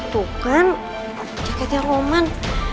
tuh kan jaketnya roman